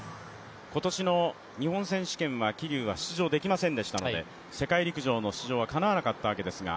今年の日本選手権は桐生は出場できませんでしたので世界陸上の出場はかなわなかったわけですが。